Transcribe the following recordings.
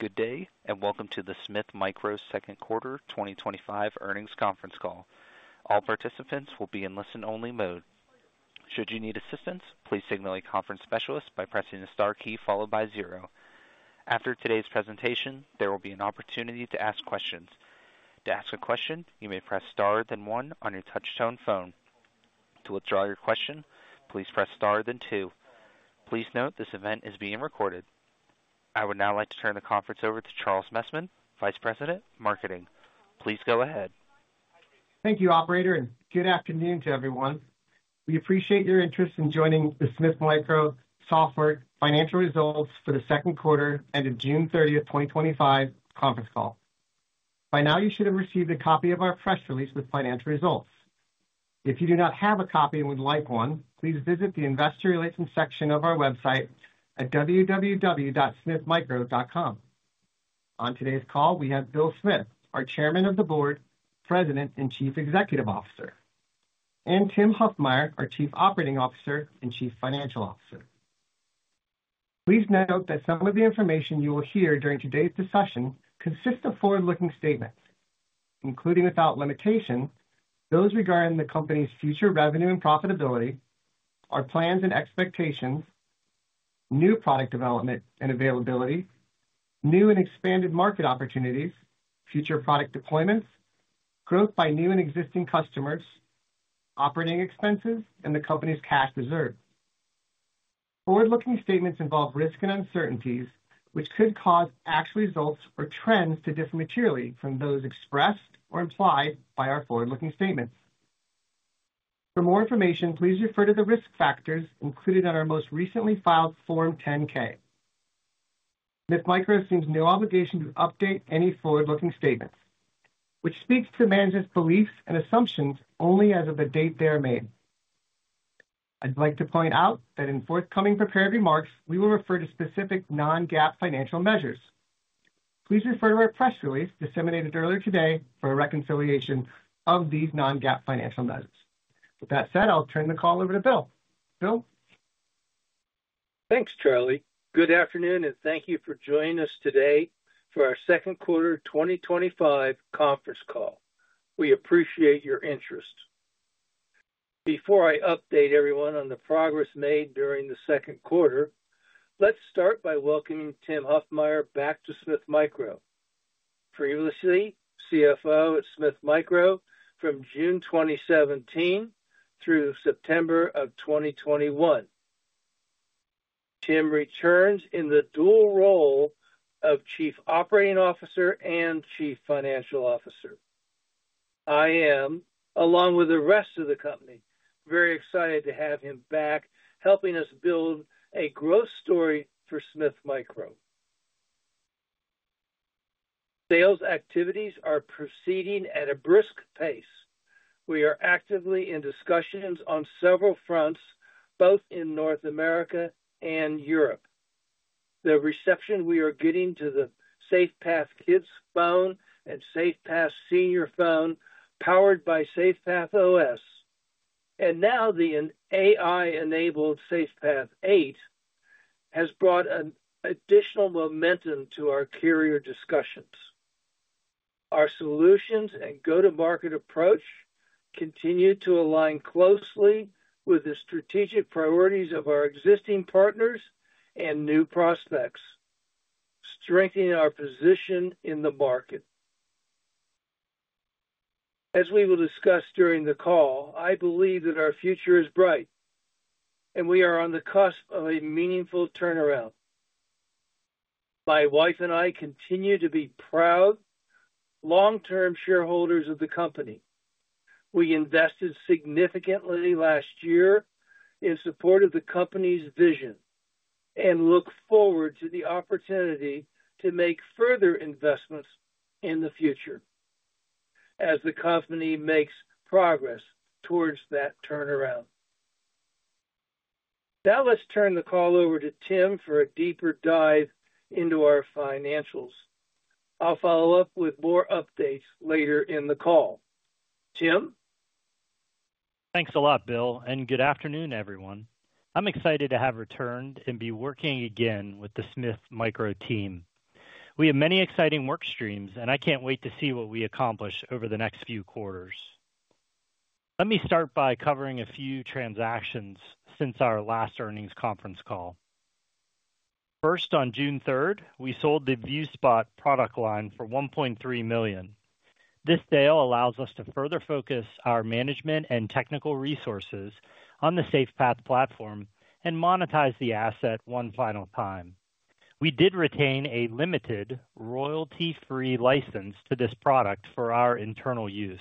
Good day and welcome to the Smith Micro Software Second Quarter 2025 Earnings Conference Call. All participants will be in listen-only mode. Should you need assistance, please signal a conference specialist by pressing the star key followed by zero. After today's presentation, there will be an opportunity to ask questions. To ask a question, you may press star then one on your touch-tone phone. To withdraw your question, please press star then two. Please note this event is being recorded. I would now like to turn the conference over to Charles Messman, Vice President, Marketing. Please go ahead. Thank you, Operator, and good afternoon to everyone. We appreciate your interest in joining the Smith Micro Software financial results for the second quarter and the June 30, 2025 conference call. By now, you should have received a copy of our press release with financial results. If you do not have a copy and would like one, please visit the Investor Relations section of our website at www.smithmicro.com. On today's call, we have William Smith, our Chairman of the Board, President and Chief Executive Officer, and Timothy Huffmyer, our Chief Operating Officer and Chief Financial Officer. Please note that some of the information you will hear during today's discussion consists of forward-looking statements, including, without limitation, those regarding the company's future revenue and profitability, our plans and expectations, new product development and availability, new and expanded market opportunities, future product deployments, growth by new and existing customers, operating expenses, and the company's cash reserve. Forward-looking statements involve risk and uncertainties, which could cause actual results or trends to differ materially from those expressed or implied by our forward-looking statements. For more information, please refer to the risk factors included on our most recently filed Form 10-K. Smith Micro Software assumes no obligation to update any forward-looking statements, which speaks to management's beliefs and assumptions only as of the date they are made. I'd like to point out that in forthcoming prepared remarks, we will refer to specific non-GAAP financial measures. Please refer to our press release disseminated earlier today for a reconciliation of these non-GAAP financial measures. With that said, I'll turn the call over to William. Thanks, Charlie. Good afternoon and thank you for joining us today for our Second Quarter 2025 Conference Call. We appreciate your interest. Before I update everyone on the progress made during the second quarter, let's start by welcoming Timothy Huffmyer back to Smith Micro Software. Previously, CFO at Smith Micro Software from June 2017 through September of 2021. Tim returns in the dual role of Chief Operating Officer and Chief Financial Officer. I am, along with the rest of the company, very excited to have him back helping us build a growth story for Smith Micro Software. Sales activities are proceeding at a brisk pace. We are actively in discussions on several fronts, both in North America and Europe. The reception we are getting to the SafePath Kids phone and SafePath Senior phone, powered by SafePath OS, and now the AI-enabled SafePath 8, has brought an additional momentum to our carrier discussions. Our solutions and go-to-market approach continue to align closely with the strategic priorities of our existing partners and new prospects, strengthening our position in the market. As we will discuss during the call, I believe that our future is bright, and we are on the cusp of a meaningful turnaround. My wife and I continue to be proud long-term shareholders of the company. We invested significantly last year in support of the company's vision and look forward to the opportunity to make further investments in the future as the company makes progress towards that turnaround. Now let's turn the call over to Tim for a deeper dive into our financials. I'll follow up with more updates later in the call. Tim? Thanks a lot, Bill, and good afternoon, everyone. I'm excited to have returned and be working again with the Smith Micro team. We have many exciting work streams, and I can't wait to see what we accomplish over the next few quarters. Let me start by covering a few transactions since our last earnings conference call. First, on June 3rd, we sold the ViewSpot product line for $1.3 million. This sale allows us to further focus our management and technical resources on the SafePath platform and monetize the asset one final time. We did retain a limited, royalty-free license to this product for our internal use.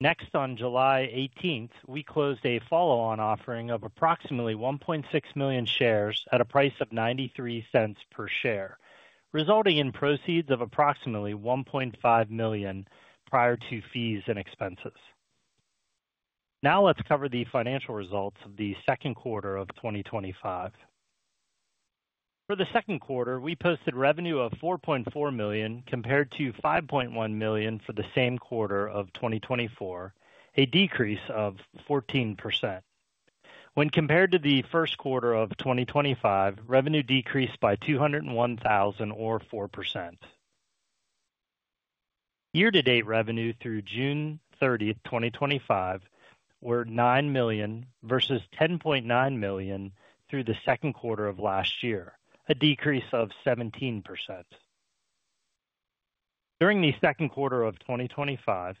Next, on July 18th, we closed a follow-on offering of approximately 1.6 million shares at a price of $0.93 per share, resulting in proceeds of approximately $1.5 million prior to fees and expenses. Now let's cover the financial results of the second quarter of 2025. For the second quarter, we posted revenue of $4.4 million compared to $5.1 million for the same quarter of 2024, a decrease of 14%. When compared to the first quarter of 2025, revenue decreased by $201,000 or 4%. Year-to-date revenue through June 30, 2025, were $9 million versus $10.9 million through the second quarter of last year, a decrease of 17%. During the second quarter of 2025,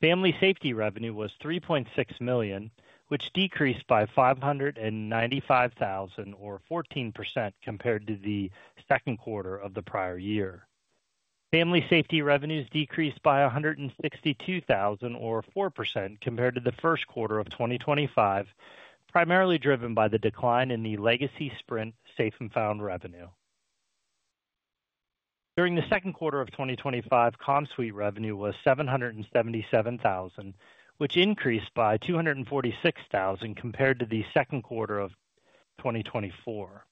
family safety revenue was $3.6 million, which decreased by $595,000 or 14% compared to the second quarter of the prior year. Family safety revenues decreased by $162,000 or 4% compared to the first quarter of 2025, primarily driven by the decline in the legacy Sprint Safe & Found revenue. During the second quarter of 2025, CommSuite revenue was $777,000, which increased by $246,000 compared to the second quarter of 2024.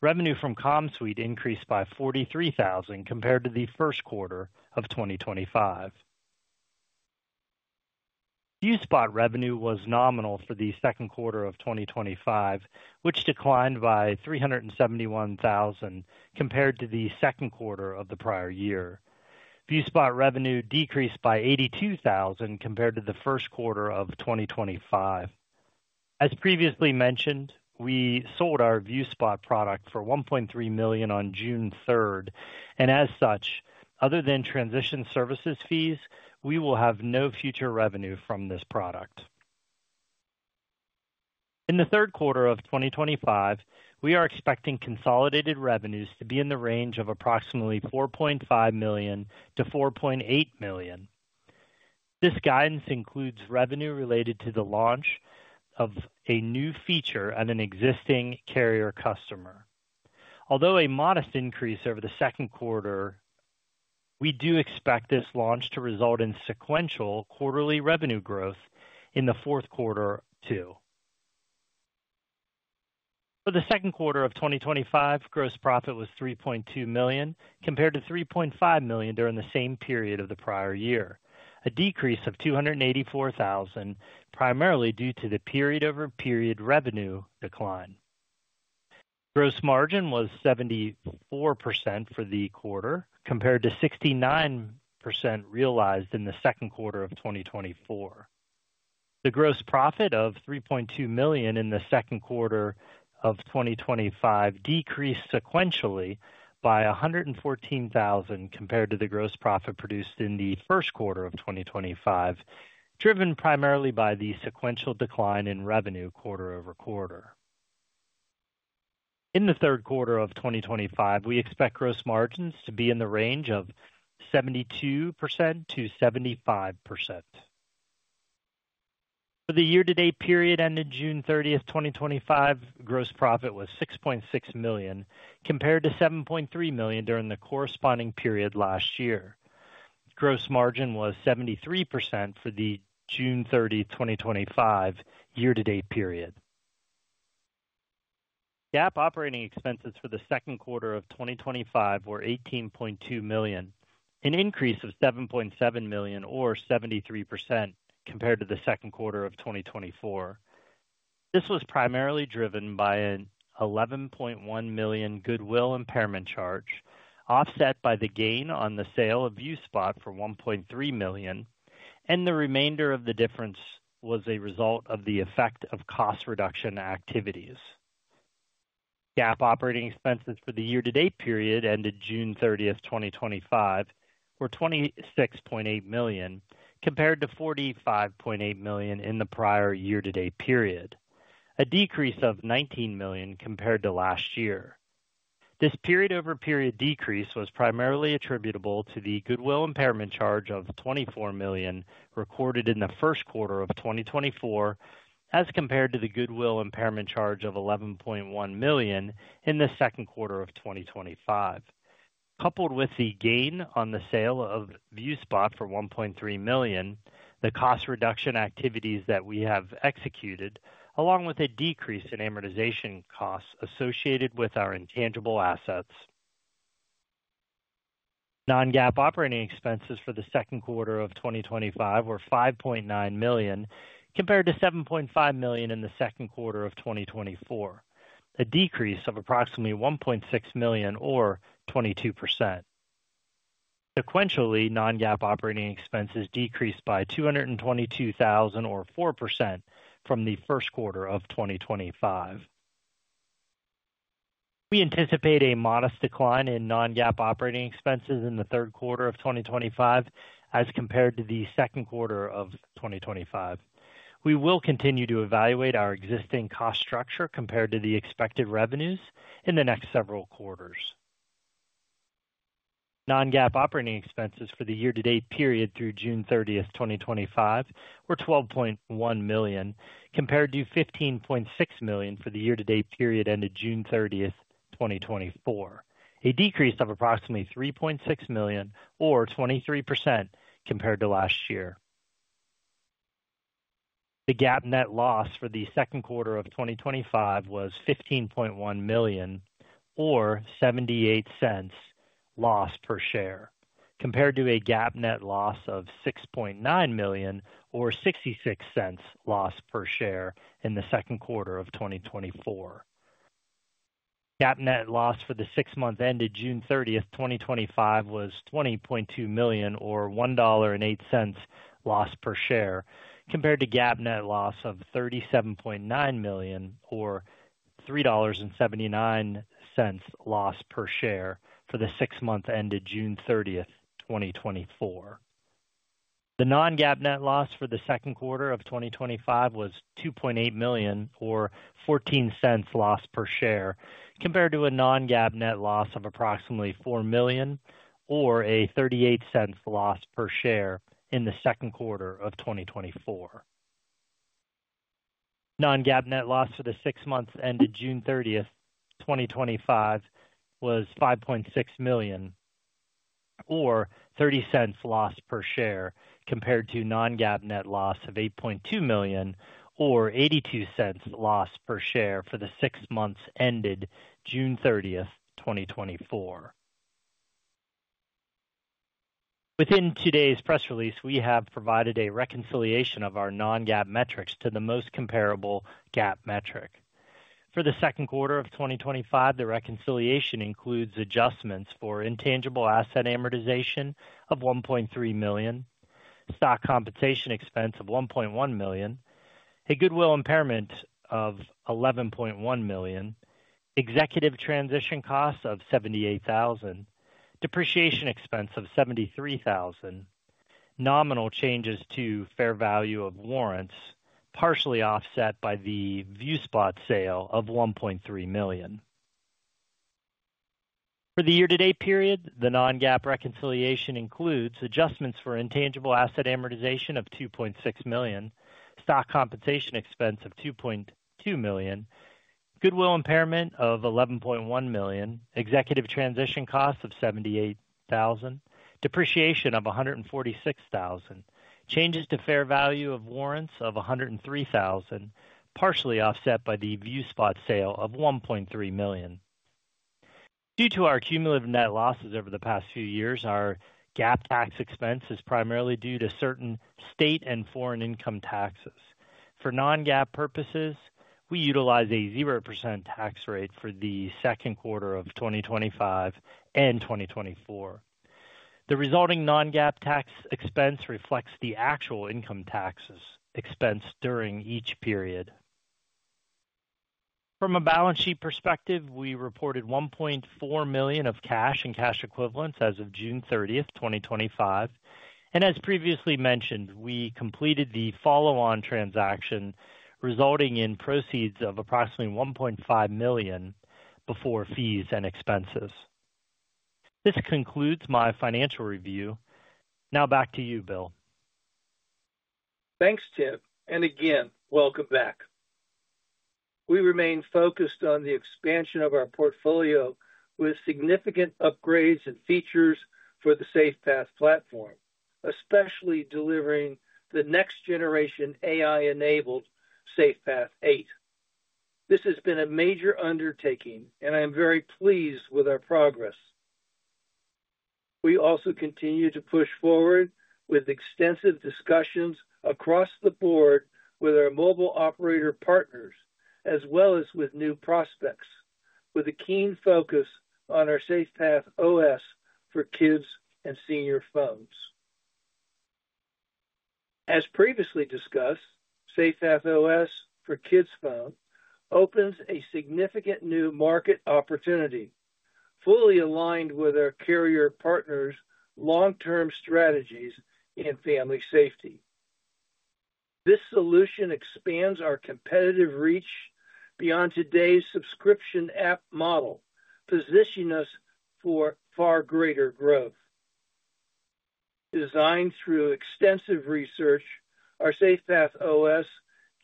Revenue from CommSuite increased by $43,000 compared to the first quarter of 2025. ViewSpot revenue was nominal for the second quarter of 2025, which declined by $371,000 compared to the second quarter of the prior year. ViewSpot revenue decreased by $82,000 compared to the first quarter of 2025. As previously mentioned, we sold our ViewSpot product for $1.3 million on June 3rd, and as such, other than transition services fees, we will have no future revenue from this product. In the third quarter of 2025, we are expecting consolidated revenues to be in the range of approximately $4.5 million-$4.8 million. This guidance includes revenue related to the launch of a new feature at an existing carrier customer. Although a modest increase over the second quarter, we do expect this launch to result in sequential quarterly revenue growth in the fourth quarter too. For the second quarter of 2025, gross profit was $3.2 million compared to $3.5 million during the same period of the prior year, a decrease of $284,000 primarily due to the period-over-period revenue decline. Gross margin was 74% for the quarter compared to 69% realized in the second quarter of 2024. The gross profit of $3.2 million in the second quarter of 2025 decreased sequentially by $114,000 compared to the gross profit produced in the first quarter of 2025, driven primarily by the sequential decline in revenue quarter over quarter. In the third quarter of 2025, we expect gross margins to be in the range of 72%-75%. For the year-to-date period ended June 30, 2025, gross profit was $6.6 million compared to $7.3 million during the corresponding period last year. Gross margin was 73% for the June 30, 2025 year-to-date period. GAAP operating expenses for the second quarter of 2025 were $18.2 million, an increase of $7.7 million or 73% compared to the second quarter of 2024. This was primarily driven by an $11.1 million goodwill impairment charge, offset by the gain on the sale of ViewSpot for $1.3 million, and the remainder of the difference was a result of the effect of cost reduction activities. GAAP operating expenses for the year-to-date period ended June 30, 2025, were $26.8 million compared to $45.8 million in the prior year-to-date period, a decrease of $19 million compared to last year. This period-over-period decrease was primarily attributable to the goodwill impairment charge of $24 million recorded in the first quarter of 2024 as compared to the goodwill impairment charge of $11.1 million in the second quarter of 2025, coupled with the gain on the sale of ViewSpot for $1.3 million, the cost reduction activities that we have executed, along with a decrease in amortization costs associated with our intangible assets. Non-GAAP operating expenses for the second quarter of 2025 were $5.9 million compared to $7.5 million in the second quarter of 2024, a decrease of approximately $1.6 million or 22%. Sequentially, non-GAAP operating expenses decreased by $222,000 or 4% from the first quarter of 2025. We anticipate a modest decline in non-GAAP operating expenses in the third quarter of 2025 as compared to the second quarter of 2025. We will continue to evaluate our existing cost structure compared to the expected revenues in the next several quarters. Non-GAAP operating expenses for the year-to-date period through June 30, 2025, were $12.1 million compared to $15.6 million for the year-to-date period ended June 30, 2024, a decrease of approximately $3.6 million or 23% compared to last year. The GAAP net loss for the second quarter of 2025 was $15.1 million or $0.78 loss per share, compared to a GAAP net loss of $6.9 million or $0.66 loss per share in the second quarter of 2024. GAAP net loss for the six-month period ended June 30, 2025, was $20.2 million or $1.08 loss per share, compared to GAAP net loss of $37.9 million or $3.79 loss per share for the six-month period ended June 30, 2024. The non-GAAP net loss for the second quarter of 2025 was $2.8 million or $0.14 loss per share, compared to a non-GAAP net loss of approximately $4 million or $0.38 loss per share in the second quarter of 2024. Non-GAAP net loss for the six-month period ended June 30, 2025, was $5.6 million or $0.30 loss per share, compared to non-GAAP net loss of $8.2 million or $0.82 loss per share for the six-month period ended June 30, 2024. Within today's press release, we have provided a reconciliation of our non-GAAP metrics to the most comparable GAAP metric. For the second quarter of 2025, the reconciliation includes adjustments for intangible asset amortization of $1.3 million, stock compensation expense of $1.1 million, a goodwill impairment of $11.1 million, executive transition costs of $78,000, depreciation expense of $73,000, nominal changes to fair value of warrants, partially offset by the ViewSpot sale of $1.3 million. For the year-to-date period, the non-GAAP reconciliation includes adjustments for intangible asset amortization of $2.6 million, stock compensation expense of $2.2 million, goodwill impairment of $11.1 million, executive transition costs of $78,000, depreciation of $146,000, changes to fair value of warrants of $103,000, partially offset by the ViewSpot sale of $1.3 million. Due to our cumulative net losses over the past few years, our GAAP tax expense is primarily due to certain state and foreign income taxes. For non-GAAP purposes, we utilize a 0% tax rate for the second quarter of 2025 and 2024. The resulting non-GAAP tax expense reflects the actual income taxes expensed during each period. From a balance sheet perspective, we reported $1.4 million of cash and cash equivalents as of June 30, 2025, and as previously mentioned, we completed the follow-on transaction resulting in proceeds of approximately $1.5 million before fees and expenses. This concludes my financial review. Now back to you, Bill. Thanks, Tim, and again, welcome back. We remain focused on the expansion of our portfolio with significant upgrades and features for the SafePath platform, especially delivering the next-generation AI-enabled SafePath 8. This has been a major undertaking, and I am very pleased with our progress. We also continue to push forward with extensive discussions across the board with our mobile operator partners, as well as with new prospects, with a keen focus on our SafePath OS for kids and senior phones. As previously discussed, SafePath OS for kids' phones opens a significant new market opportunity, fully aligned with our carrier partners' long-term strategies in family safety. This solution expands our competitive reach beyond today's subscription app model, positioning us for far greater growth. Designed through extensive research, our SafePath OS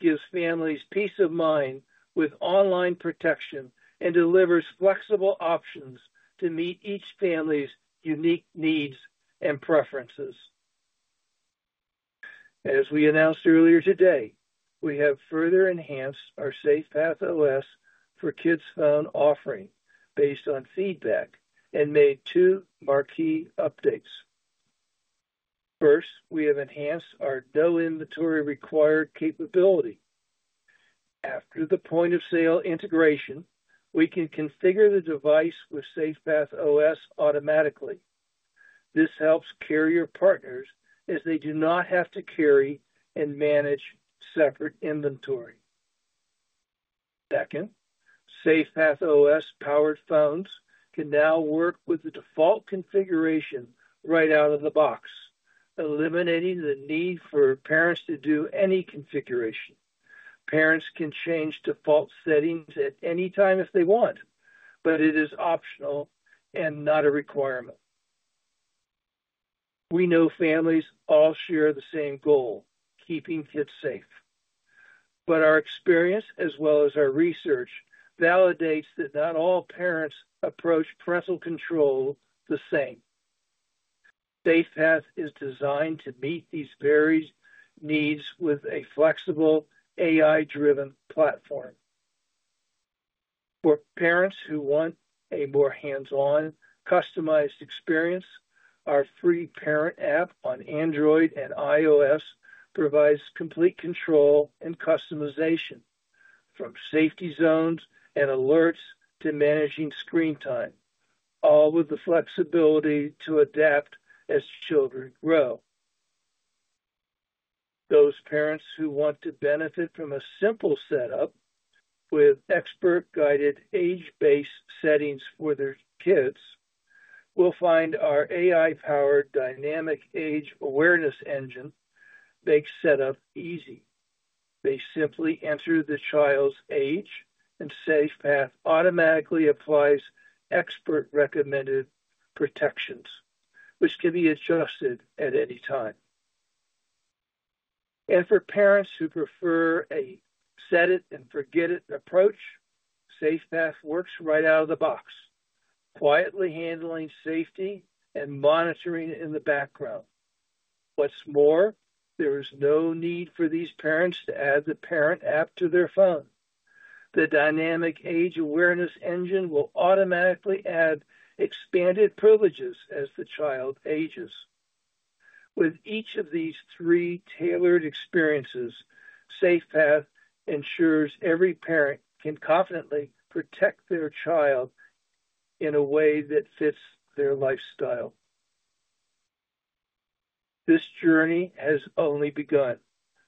gives families peace of mind with online protection and delivers flexible options to meet each family's unique needs and preferences. As we announced earlier today, we have further enhanced our SafePath OS for kids' phone offering based on feedback and made two marquee updates. First, we have enhanced our Dell inventory required capability. After the point-of-sale integration, we can configure the device with SafePath OS automatically. This helps carrier partners as they do not have to carry and manage separate inventory. Second, SafePath OS-powered phones can now work with the default configuration right out of the box, eliminating the need for parents to do any configuration. Parents can change default settings at any time if they want, but it is optional and not a requirement. We know families all share the same goal: keeping kids safe. Our experience, as well as our research, validates that not all parents approach parental control the same. SafePath is designed to meet these various needs with a flexible, AI-driven platform. For parents who want a more hands-on, customized experience, our free parent app on Android and iOS provides complete control and customization, from safety zones and alerts to managing screen time, all with the flexibility to adapt as children grow. Those parents who want to benefit from a simple setup with expert-guided age-based settings for their kids will find our AI-powered dynamic age awareness engine makes setup easy. They simply enter the child's age, and SafePath automatically applies expert-recommended protections, which can be adjusted at any time. For parents who prefer a set-it-and-forget-it approach, SafePath works right out of the box, quietly handling safety and monitoring it in the background. What's more, there is no need for these parents to add the parent app to their phone. The dynamic age awareness engine will automatically add expanded privileges as the child ages. With each of these three tailored experiences, SafePath ensures every parent can confidently protect their child in a way that fits their lifestyle. This journey has only begun.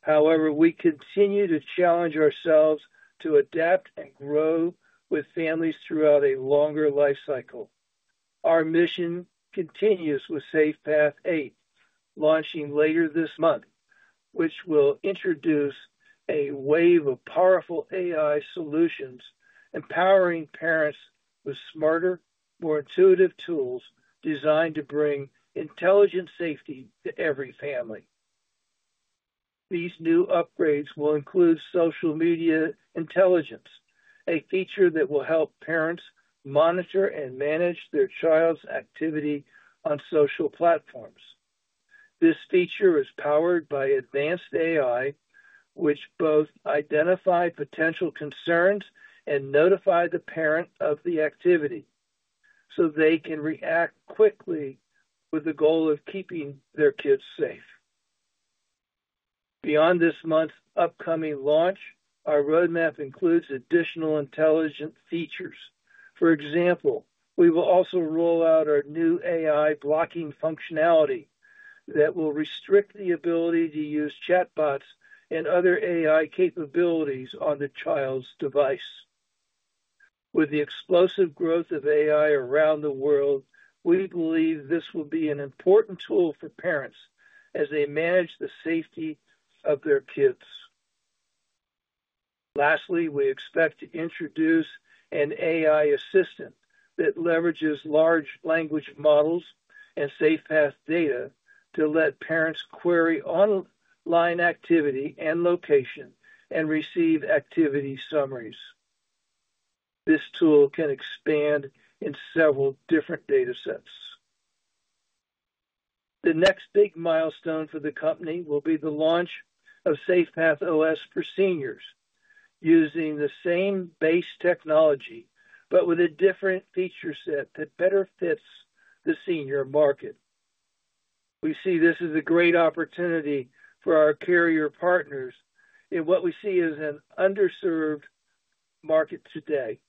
However, we continue to challenge ourselves to adapt and grow with families throughout a longer lifecycle. Our mission continues with SafePath 8, launching later this month, which will introduce a wave of powerful AI solutions, empowering parents with smarter, more intuitive tools designed to bring intelligent safety to every family. These new upgrades will include AI-powered social media intelligence, a feature that will help parents monitor and manage their child's activity on social platforms. This feature is powered by advanced AI, which both identifies potential concerns and notifies the parent of the activity so they can react quickly with the goal of keeping their kids safe. Beyond this month's upcoming launch, our roadmap includes additional intelligent features. For example, we will also roll out our new AI blocking functionality that will restrict the ability to use chatbots and other AI capabilities on the child's device. With the explosive growth of AI around the world, we believe this will be an important tool for parents as they manage the safety of their kids. Lastly, we expect to introduce an AI assistant that leverages large language models and SafePath data to let parents query online activity and location and receive activity summaries. This tool can expand in several different data sets. The next big milestone for the company will be the launch of SafePath OS for seniors, using the same base technology, but with a different feature set that better fits the senior market. We see this as a great opportunity for our carrier partners in what we see as an underserved market today.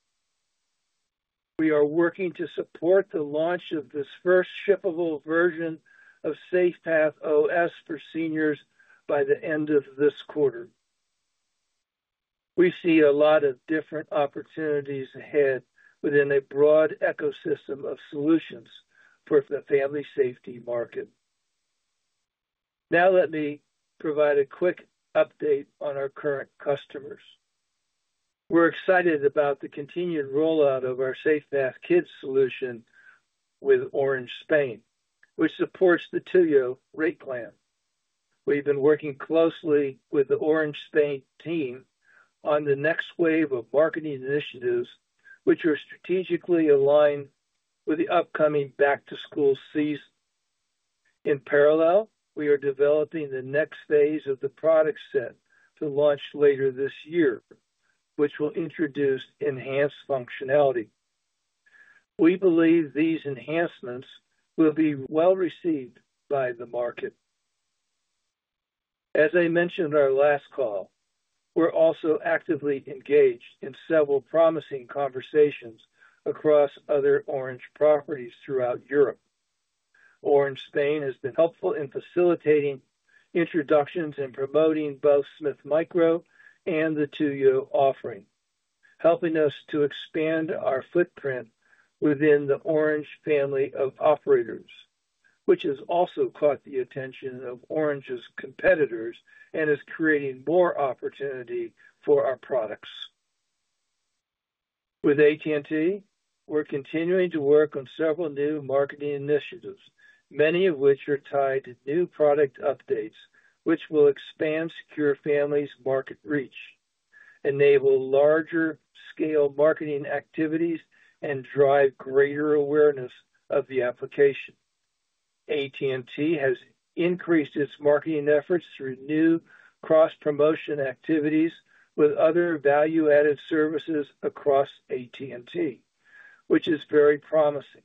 We are working to support the launch of this first shippable version of SafePath OS for seniors by the end of this quarter. We see a lot of different opportunities ahead within a broad ecosystem of solutions for the family safety market. Now let me provide a quick update on our current customers. We're excited about the continued rollout of our SafePath Kids solution with Orange Spain, which supports the TúYo rate plan. We've been working closely with the Orange Spain team on the next wave of marketing initiatives, which are strategically aligned with the upcoming back-to-school season. In parallel, we are developing the next phase of the product set to launch later this year, which will introduce enhanced functionality. We believe these enhancements will be well received by the market. As I mentioned in our last call, we're also actively engaged in several promising conversations across other Orange properties throughout Europe. Orange Spain has been helpful in facilitating introductions and promoting both Smith Micro and the TúYo offering, helping us to expand our footprint within the Orange family of operators, which has also caught the attention of Orange's competitors and is creating more opportunity for our products. With AT&T, we're continuing to work on several new marketing initiatives, many of which are tied to new product updates, which will expand Secure Family's market reach, enable larger-scale marketing activities, and drive greater awareness of the application. AT&T has increased its marketing efforts through new cross-promotion activities with other value-added services across AT&T, which is very promising.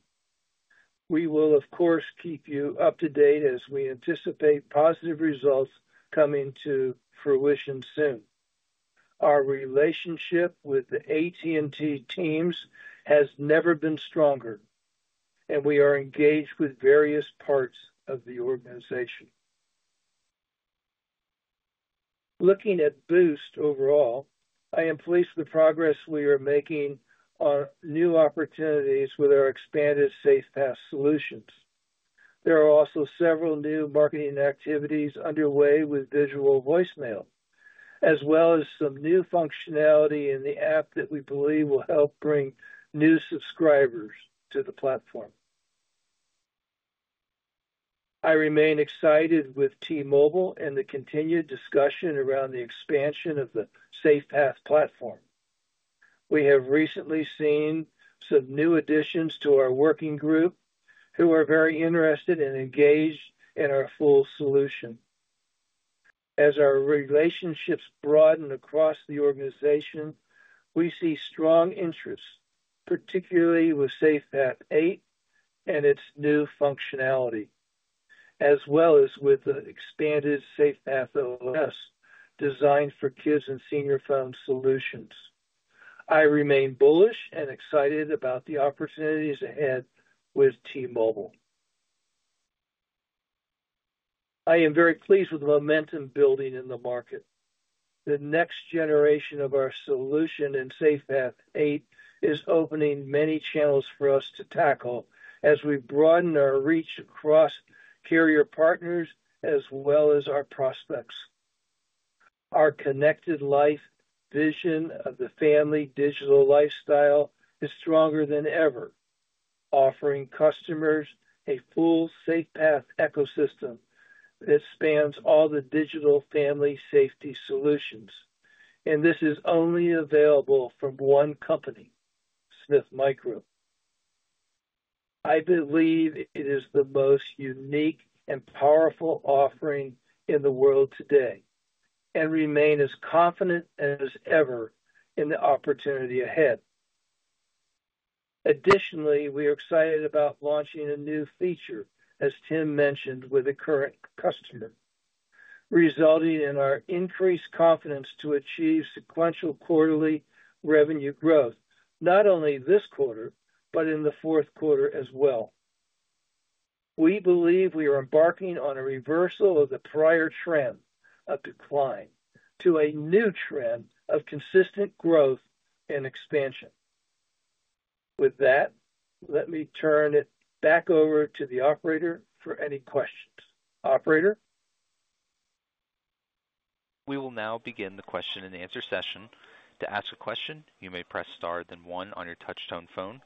We will, of course, keep you up to date as we anticipate positive results coming to fruition soon. Our relationship with the AT&T teams has never been stronger, and we are engaged with various parts of the organization. Looking at Boost overall, I am pleased with the progress we are making on new opportunities with our expanded SafePath solutions. There are also several new marketing activities underway with visual voicemail, as well as some new functionality in the app that we believe will help bring new subscribers to the platform. I remain excited with T-Mobile and the continued discussion around the expansion of the SafePath platform. We have recently seen some new additions to our working group who are very interested and engaged in our full solution. As our relationships broaden across the organization, we see strong interests, particularly with SafePath 8 and its new functionality, as well as with the expanded SafePath OS designed for kids and senior phone solutions. I remain bullish and excited about the opportunities ahead with T-Mobile. I am very pleased with the momentum building in the market. The next generation of our solution in SafePath 8 is opening many channels for us to tackle as we broaden our reach across carrier partners as well as our prospects. Our connected life vision of the family digital lifestyle is stronger than ever, offering customers a full SafePath ecosystem that spans all the digital family safety solutions. This is only available from one company, Smith Micro. I believe it is the most unique and powerful offering in the world today and remain as confident as ever in the opportunity ahead. Additionally, we are excited about launching a new feature, as Tim mentioned, with a current customer, resulting in our increased confidence to achieve sequential quarterly revenue growth, not only this quarter, but in the fourth quarter as well. We believe we are embarking on a reversal of the prior trend of decline to a new trend of consistent growth and expansion. With that, let me turn it back over to the operator for any questions. Operator? We will now begin the question and answer session. To ask a question, you may press star, then one on your touch-tone phone.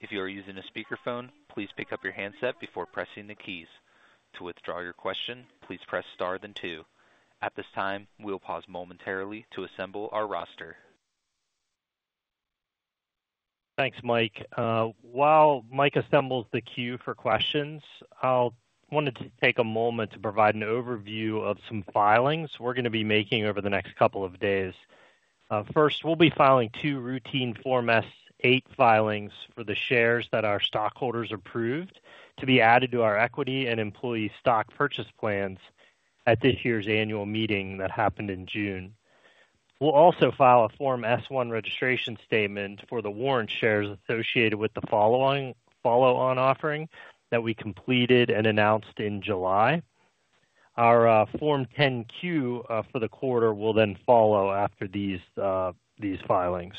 If you are using a speakerphone, please pick up your handset before pressing the keys. To withdraw your question, please press star, then two. At this time, we'll pause momentarily to assemble our roster. Thanks, Mike. While Mike assembles the queue for questions, I wanted to take a moment to provide an overview of some filings we're going to be making over the next couple of days. First, we'll be filing two routine Form S-8 filings for the shares that our stockholders approved to be added to our equity and employee stock purchase plans at this year's annual meeting that happened in June. We'll also file a Form S-1 registration statement for the warrant shares associated with the follow-on offering that we completed and announced in July. Our Form 10-Q for the quarter will then follow after these filings.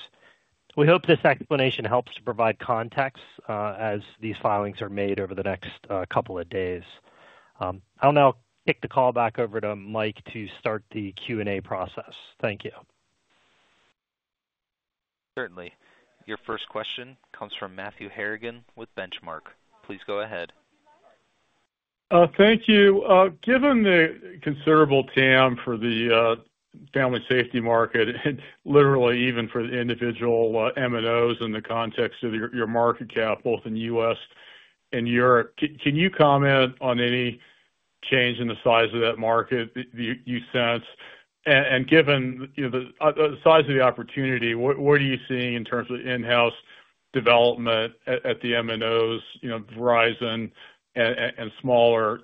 We hope this explanation helps to provide context as these filings are made over the next couple of days. I'll now kick the call back over to Mike to start the Q&A process. Thank you. Certainly. Your first question comes from Matthew Harrigan with Benchmark. Please go ahead. Thank you. Given the considerable TAM for the family safety market, literally even for the individual MNOs in the context of your market cap, both in the U.S. and Europe, can you comment on any change in the size of that market that you sense? Given the size of the opportunity, what are you seeing in terms of in-house development at the MNOs, you know, Verizon and smaller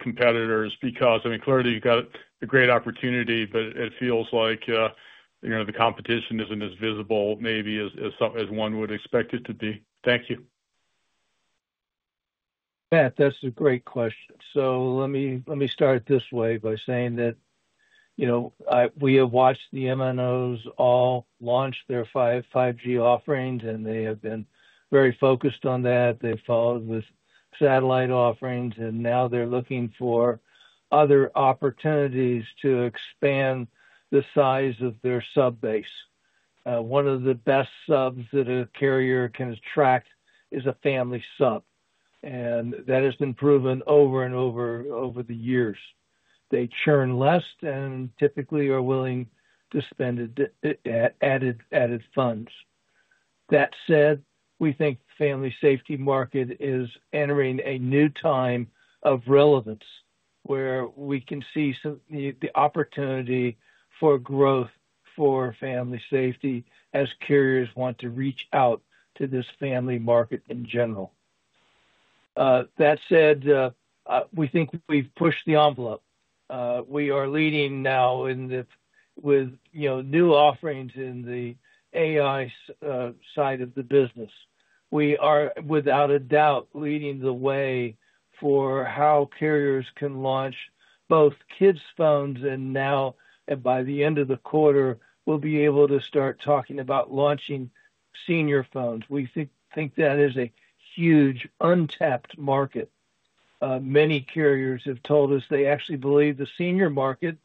competitors? Clearly, you've got a great opportunity, but it feels like the competition isn't as visible maybe as one would expect it to be. Thank you. Beth, that's a great question. Let me start this way by saying that, you know, we have watched the MNOs all launch their 5G offerings, and they have been very focused on that. They've followed with satellite offerings, and now they're looking for other opportunities to expand the size of their sub base. One of the best subs that a carrier can attract is a family sub, and that has been proven over and over the years. They churn less and typically are willing to spend added funds. That said, we think the family safety market is entering a new time of relevance where we can see the opportunity for growth for family safety as carriers want to reach out to this family market in general. We think we've pushed the envelope. We are leading now with new offerings in the AI side of the business. We are, without a doubt, leading the way for how carriers can launch both kids' phones, and now, by the end of the quarter, we'll be able to start talking about launching senior phones. We think that is a huge, untapped market. Many carriers have told us they actually believe the senior market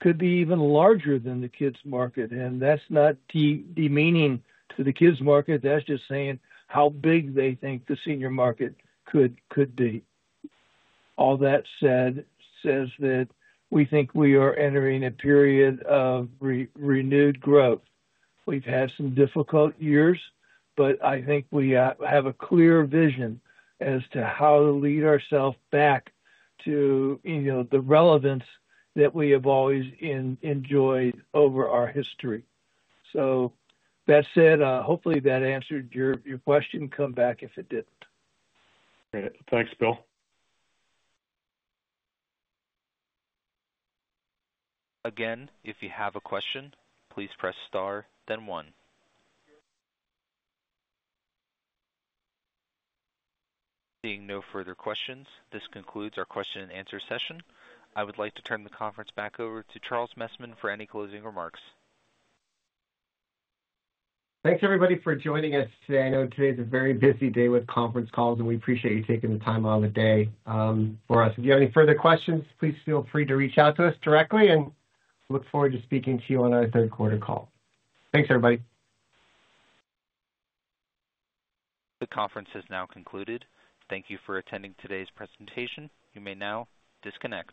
could be even larger than the kids' market, and that's not demeaning to the kids' market. That's just saying how big they think the senior market could be. All that said says that we think we are entering a period of renewed growth. We've had some difficult years, but I think we have a clear vision as to how to lead ourselves back to, you know, the relevance that we have always enjoyed over our history. Hopefully that answered your question. Come back if it didn't. Thanks, Bill. Again, if you have a question, please press star, then one. Seeing no further questions, this concludes our question and answer session. I would like to turn the conference back over to Charles Messman for any closing remarks. Thanks, everybody, for joining us today. I know today's a very busy day with conference calls, and we appreciate you taking the time out of the day for us. If you have any further questions, please feel free to reach out to us directly, and we look forward to speaking to you on our third quarter call. Thanks, everybody. The conference has now concluded. Thank you for attending today's presentation. You may now disconnect.